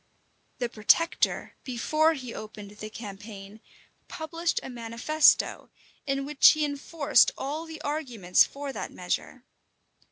The protector, before he opened the campaign, published a manifesto, in which he enforced all the arguments for that measure.